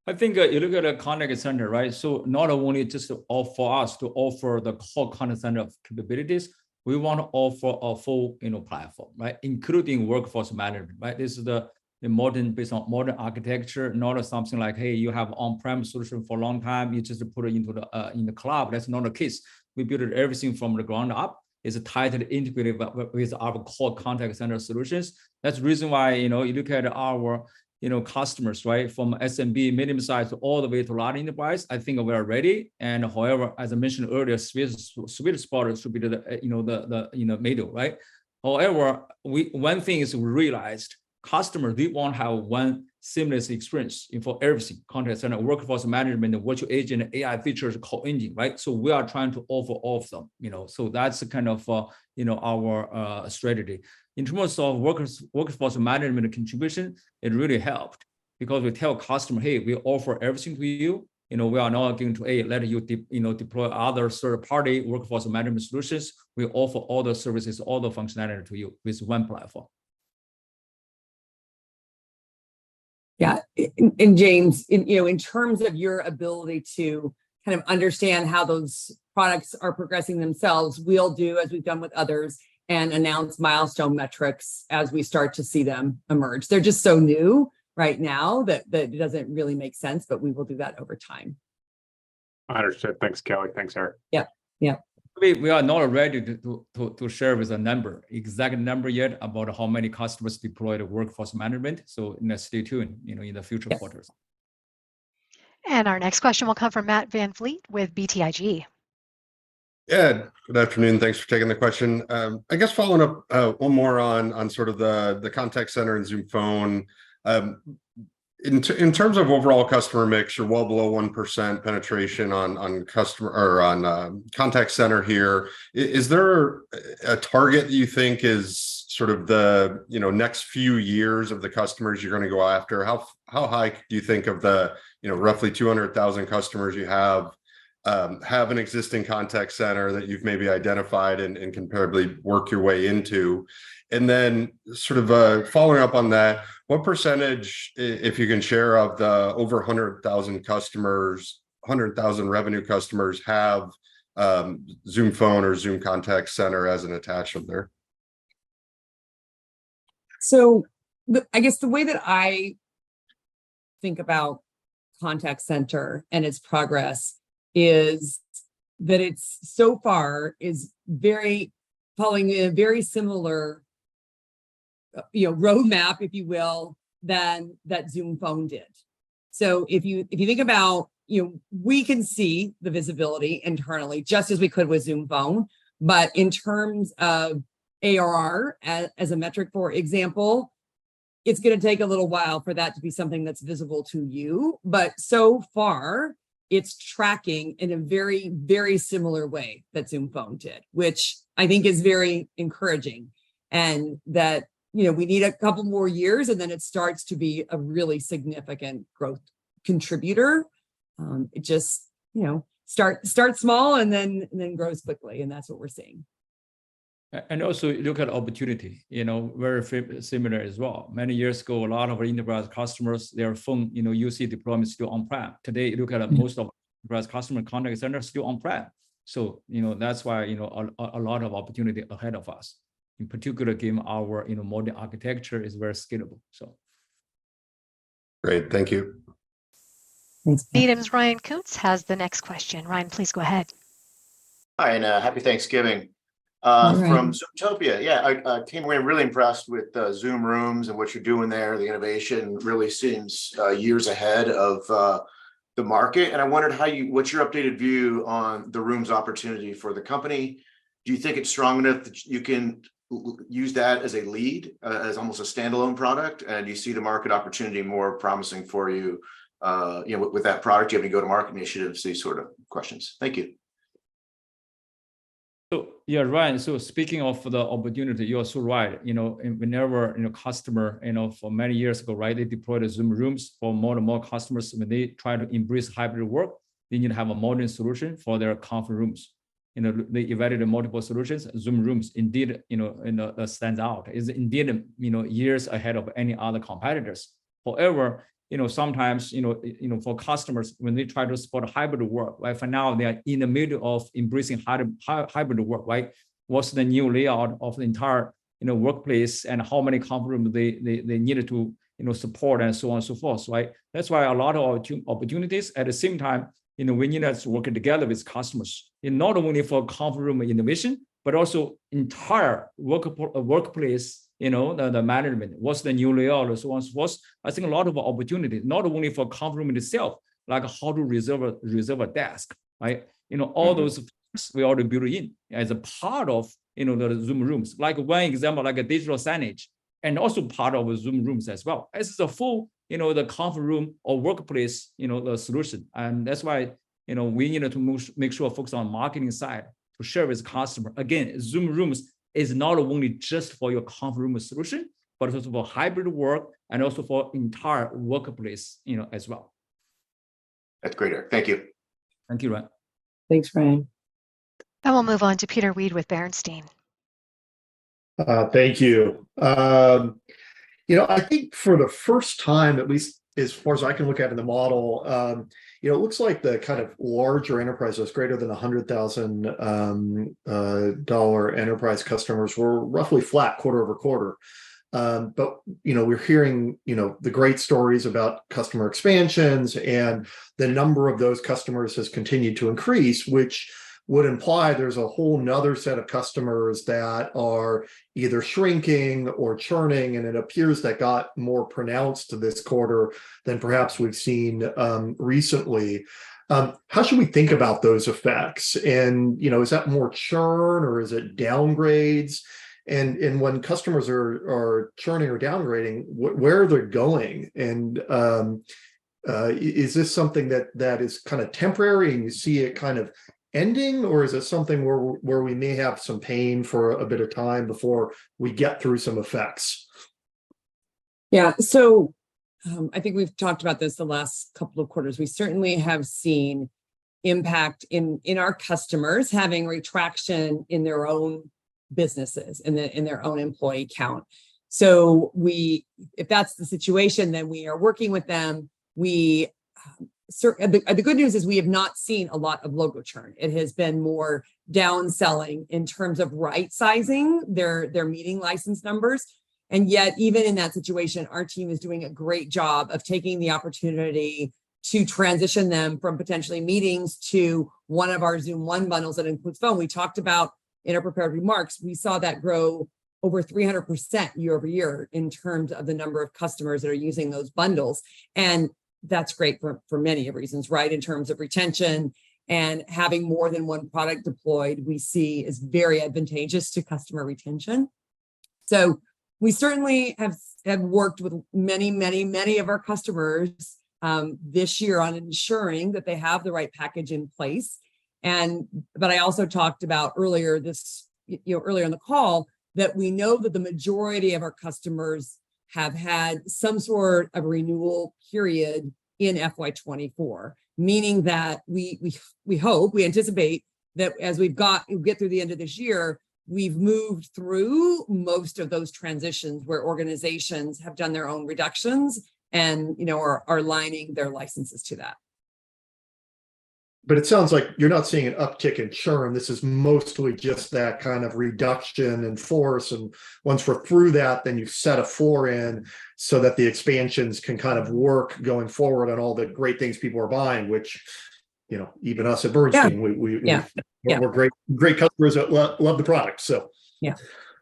Oh, I think you look at a contact center, right? So not only just to offer us to offer the whole contact center of capabilities, we wanna offer a full, you know, platform, right? Including workforce management, right? This is the modern based on modern architecture, not as something like, "Hey, you have on-premises solution for a long time, you just put it into the, in the cloud." That's not the case. We built everything from the ground up. It's tightly integrated with our core contact center solutions. That's the reason why, you know, you look at our, you know, customers, right? From SMB, medium-sized, all the way to large enterprise. I think we are ready. However, as I mentioned earlier, sweet spot should be the, you know, the, you know, middle, right? However, one thing is we realized, customers, they want to have one seamless experience for everything, contact center, workforce management, and virtual agent, AI features, core engine, right? So we are trying to offer all of them, you know, so that's the kind of, you know, our strategy. In terms of workforce management contribution, it really helped. Because we tell customer, "Hey, we offer everything to you. You know, we are not going to, A, letting you, you know, deploy other third-party workforce management solutions. We offer all the services, all the functionality to you with one platform. Yeah. And James, in, you know, in terms of your ability to kind of understand how those products are progressing themselves, we'll do as we've done with others and announce milestone metrics as we start to see them emerge. They're just so new right now that it doesn't really make sense, but we will do that over time. Understood. Thanks, Kelly. Thanks, Eric. Yeah, yeah. We are not ready to share with a number, exact number yet about how many customers deployed Workforce Management, so stay tuned, you know, in the future quarters. Yes. Our next question will come from Matt VanVleet with BTIG. Yeah, good afternoon. Thanks for taking the question. I guess following up, one more on sort of the contact center and Zoom Phone. In terms of overall customer mix, you're well below 1% penetration on customer or on contact center here. Is there a target that you think is sort of the, you know, next few years of the customers you're gonna go after? How high do you think of the, you know, roughly 200,000 customers you have, have an existing contact center that you've maybe identified and can probably work your way into? And then sort of following up on that, what percentage, if you can share, of the over 100,000 customers, 100,000 revenue customers have Zoom Phone or Zoom Contact Center as an attachment there? So the, I guess the way that I think about Contact Center and its progress is that it's so far very, following a very similar, you know, roadmap, if you will, than that Zoom Phone did. So if you, if you think about... You know, we can see the visibility internally, just as we could with Zoom Phone. But in terms of ARR, as a metric, for example, it's gonna take a little while for that to be something that's visible to you. But so far, it's tracking in a very, very similar way that Zoom Phone did, which I think is very encouraging. And that, you know, we need a couple more years, and then it starts to be a really significant growth contributor. It just, you know, start small and then grows quickly, and that's what we're seeing. And also, if you look at opportunity, you know, very similar as well. Many years ago, a lot of enterprise customers, their phone, you know, UC deployment is still on-prem. Today, you look at- Mm... most of enterprise customer contact centers are still on-prem. So, you know, that's why, you know, a lot of opportunity ahead of us. In particular, given our, you know, modern architecture is very scalable, so. Great. Thank you. Thanks. B. Riley's Ryan Koontz has the next question. Ryan, please go ahead. Hi, and, happy Thanksgiving- Mm-hmm… from Zoomtopia. Yeah, I came away really impressed with the Zoom Rooms and what you're doing there. The innovation really seems years ahead of the market, and I wondered what's your updated view on the Rooms opportunity for the company? Do you think it's strong enough that you can use that as a lead, as almost a standalone product? And do you see the market opportunity more promising for you, you know, with that product? Do you have any go-to-market initiatives, these sort of questions. Thank you. So yeah, Ryan, so speaking of the opportunity, you are so right. You know, and whenever, you know, customer, you know, for many years ago, right, they deployed Zoom Rooms for more and more customers, when they try to embrace hybrid work, they need to have a modern solution for their conference rooms. You know, they evaluated multiple solutions, Zoom Rooms indeed, you know, stands out. It's indeed, you know, years ahead of any other competitors. However, you know, sometimes, you know, you know, for customers, when they try to support a hybrid work, right, for now, they are in the middle of embracing hybrid work, right? What's the new layout of the entire, you know, workplace, and how many conference rooms they, they, they needed to, you know, support, and so on and so forth, right? That's why a lot of opportunities, at the same time, you know, we need us working together with customers. And not only for conference room innovation, but also entire workplace, you know, the, the management. What's the new layout and so on. So what's... I think a lot of opportunity, not only for conference room itself, like how to reserve a, reserve a desk, right? Mm-hmm. You know, all those things we already built in as a part of, you know, the Zoom Rooms. Like one example, like a digital signage, and also part of Zoom Rooms as well. It's a full, you know, the conference room or workplace, you know, solution. And that's why, you know, we needed to make sure focus on marketing side to share with customer. Again, Zoom Rooms is not only just for your conference room solution, but it's for hybrid work and also for entire workplace, you know, as well.... That's great, Eric. Thank you. Thank you, Ryan. Thanks, Ryan. Now we'll move on to Peter Weed with Bernstein. Thank you. You know, I think for the first time, at least as far as I can look at in the model, you know, it looks like the kind of larger enterprises, greater than $100,000, enterprise customers were roughly flat quarter-over-quarter. But, you know, we're hearing, you know, the great stories about customer expansions, and the number of those customers has continued to increase, which would imply there's a whole another set of customers that are either shrinking or churning, and it appears that got more pronounced this quarter than perhaps we've seen, recently. How should we think about those effects? And, you know, is that more churn or is it downgrades? And, when customers are churning or downgrading, where are they going? Is this something that, that is kind of temporary, and you see it kind of ending, or is it something where, where we may have some pain for a bit of time before we get through some effects? Yeah. So, I think we've talked about this the last couple of quarters. We certainly have seen impact in our customers having retraction in their own businesses, in their own employee count. So if that's the situation, then we are working with them. The good news is we have not seen a lot of logo churn. It has been more downselling in terms of right-sizing their Meetings licenses numbers. And yet, even in that situation, our team is doing a great job of taking the opportunity to transition them from potentially Meetings to one of our Zoom One bundles that includes Phone. We talked about in our prepared remarks, we saw that grow over 300% year-over-year in terms of the number of customers that are using those bundles, and that's great for many reasons, right? In terms of retention and having more than one product deployed, we see is very advantageous to customer retention. So we certainly have worked with many, many, many of our customers this year on ensuring that they have the right package in place. But I also talked about earlier this, you know, earlier in the call, that we know that the majority of our customers have had some sort of renewal period in FY2024, meaning that we hope, we anticipate that as we get through the end of this year, we've moved through most of those transitions where organizations have done their own reductions and, you know, are aligning their licenses to that. But it sounds like you're not seeing an uptick in churn. This is mostly just that kind of reduction in force, and once we're through that, then you set a floor, and so that the expansions can kind of work going forward on all the great things people are buying, which, you know, even us at Bernstein- Yeah. - we, we, we- Yeah. Yeah... we're great, great customers that love the product. So... Yeah.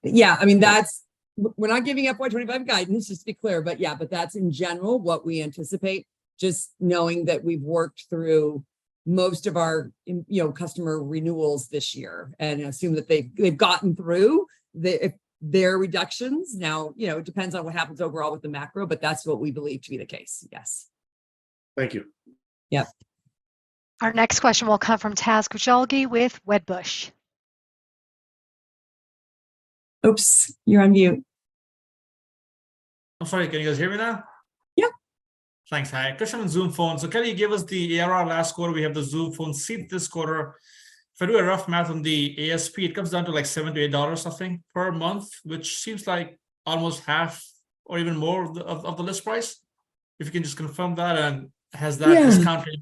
Yeah, I mean, that's. We're not giving up $125 guidance, just to be clear. But yeah, but that's in general what we anticipate, just knowing that we've worked through most of our, you know, customer renewals this year, and I assume that they've gotten through the, their reductions. Now, you know, it depends on what happens overall with the macro, but that's what we believe to be the case. Yes. Thank you. Yeah. Our next question will come from Taz Koujalgi with Wedbush. Oops, you're on mute. I'm sorry, can you guys hear me now? Yep. Thanks. Hi, question on Zoom Phone. So Kelly, can you give us the ARR last quarter? We have the Zoom Phone seat this quarter. If I do a rough math on the ASP, it comes down to, like, $78 or something per month, which seems like almost half or even more of the list price. If you can just confirm that, and has that- Yeah... discounting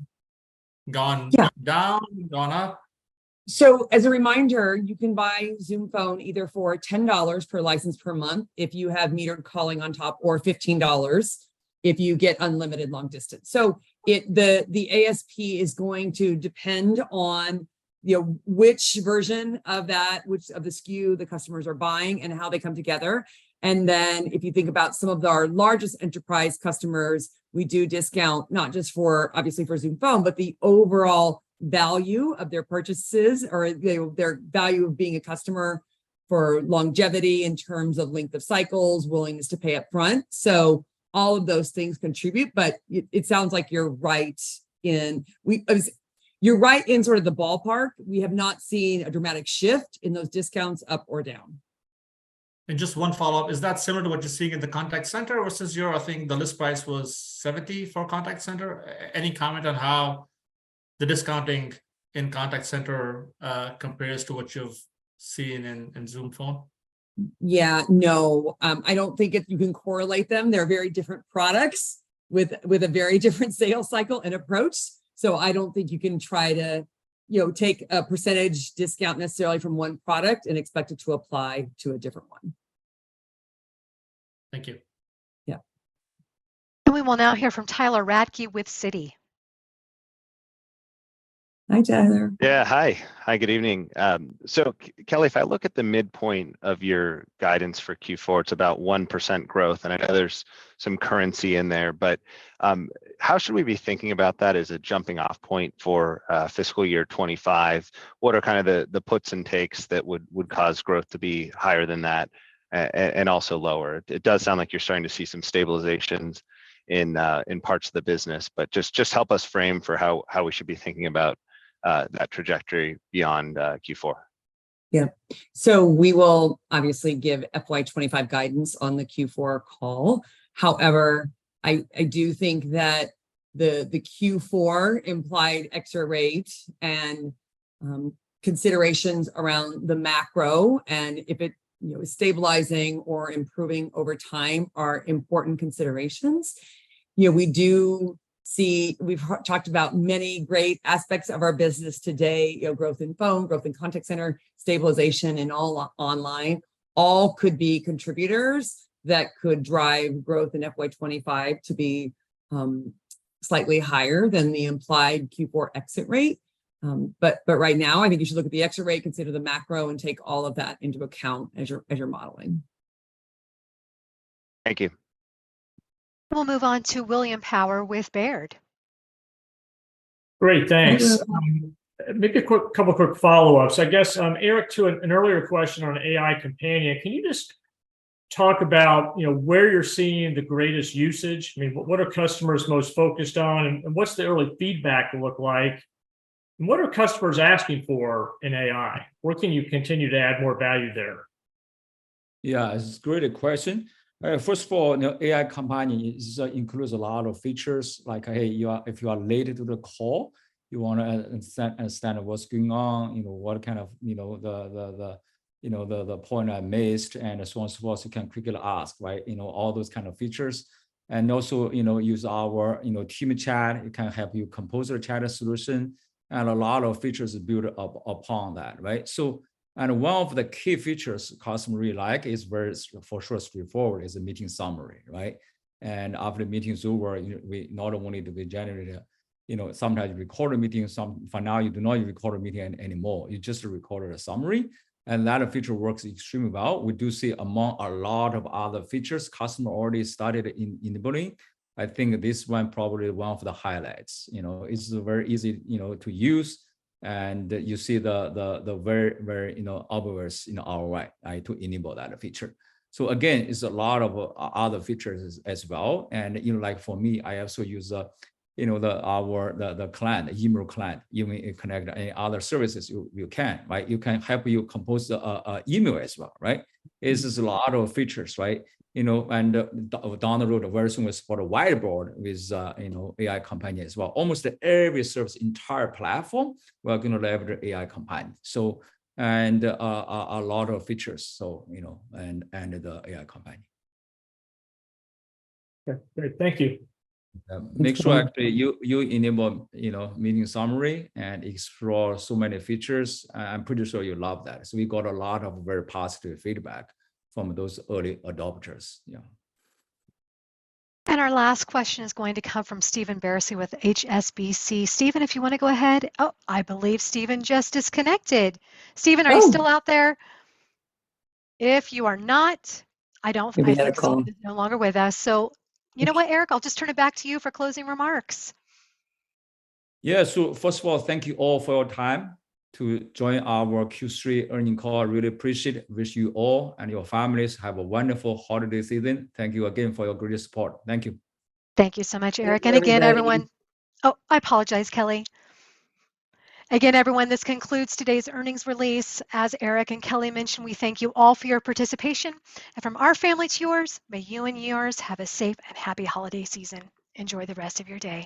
gone- Yeah... down, gone up? So as a reminder, you can buy Zoom Phone either for $10 per license per month if you have metered calling on top, or $15 if you get unlimited long distance. So it, the ASP is going to depend on, you know, which version of that, which of the SKU the customers are buying and how they come together. And then, if you think about some of our largest enterprise customers, we do discount not just for, obviously for Zoom Phone, but the overall value of their purchases or, you know, their value of being a customer for longevity in terms of length of cycles, willingness to pay upfront. So all of those things contribute, but it sounds like you're right in sort of the ballpark. We have not seen a dramatic shift in those discounts up or down. Just one follow-up. Is that similar to what you're seeing in the contact center versus your, I think the list price was $70 for contact center? Any comment on how the discounting in contact center compares to what you've seen in Zoom Phone? Yeah, no. I don't think if you can correlate them, they're very different products with a very different sales cycle and approach. So I don't think you can try to, you know, take a percentage discount necessarily from one product and expect it to apply to a different one. Thank you. Yeah. We will now hear from Tyler Radke with Citi. Hi, Tyler. Yeah, hi. Hi, good evening. So Kelly, if I look at the midpoint of your guidance for Q4, it's about 1% growth, and I know there's some currency in there. But how should we be thinking about that as a jumping-off point for fiscal year 2025? What are kind of the puts and takes that would cause growth to be higher than that, and also lower? It does sound like you're starting to see some stabilizations in parts of the business. But just help us frame how we should be thinking about that trajectory beyond Q4.... Yeah. So we will obviously give FY2025 guidance on the Q4 call. However, I do think that the Q4 implied exit rate and considerations around the macro, and if it, you know, is stabilizing or improving over time, are important considerations. You know, we do see. We've talked about many great aspects of our business today. You know, growth in phone, growth in contact center, stabilization in all online, all could be contributors that could drive growth in FY2025 to be slightly higher than the implied Q4 exit rate. But right now, I think you should look at the exit rate, consider the macro, and take all of that into account as you're modeling. Thank you. We'll move on to William Power with Baird. Great, thanks. You're- Maybe a quick couple quick follow-ups. I guess, Eric, to an earlier question on AI Companion, can you just talk about, you know, where you're seeing the greatest usage? I mean, what are customers most focused on, and what's the early feedback look like? And what are customers asking for in AI? Where can you continue to add more value there? Yeah, it's a great question. First of all, you know, AI Companion is includes a lot of features like, hey, if you are late to the call, you wanna understand what's going on, you know, what kind of, you know, the point I missed, and so on, so forth, you can quickly ask, right? You know, all those kind of features. And also, you know, use our, you know, team chat. It can help you compose your chat solution, and a lot of features are built up upon that, right? So, and one of the key features customer really like is very straightforward, for sure, is the meeting summary, right? And after the meeting is over, you know, we not only do we generate a, you know, sometimes record a meeting, for now, you do not even record a meeting anymore. You just record a summary, and that feature works extremely well. We do see among a lot of other features customer already started in the building. I think this one probably one of the highlights. You know, it's very easy, you know, to use, and you see the very, very, you know, obvious, you know, ROI, right, to enable that feature. So again, it's a lot of other features as well, and, you know, like for me, I also use, you know, our email client. You may connect any other services, you can, right? You can help you compose email as well, right? It's just a lot of features, right? You know, and down the road, very soon, with the whiteboard, with, you know, AI Companion as well. Almost every service, entire platform, we're gonna leverage AI Companion. So and, a lot of features, so, you know, and, and the AI Companion. Yeah, great. Thank you. Make sure actually you, you enable, you know, meeting summary and explore so many features. I'm pretty sure you love that. So we got a lot of very positive feedback from those early adopters. Yeah. Our last question is going to come from Stephen Bersey with HSBC. Steven, if you wanna go ahead... Oh, I believe Stephen just disconnected. Oh! Steven, are you still out there? If you are not, I don't- Maybe difficult. I think Steven is no longer with us. So you know what, Eric? I'll just turn it back to you for closing remarks. Yeah. So first of all, thank you all for your time to join our Q3 Earnings Call. I really appreciate it. Wish you all and your families have a wonderful holiday season. Thank you again for your great support. Thank you. Thank you so much, Eric. Kelly, do you have any- And again, everyone... Oh, I apologize, Kelly. Again, everyone, this concludes today's earnings release. As Eric and Kelly mentioned, we thank you all for your participation, and from our family to yours, may you and yours have a safe and happy holiday season. Enjoy the rest of your day.